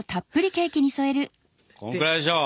こんくらいでしょう。